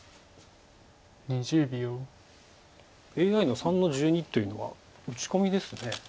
ＡＩの３の十二というのは打ち込みですね。